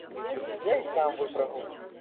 Я й сам выпрагу.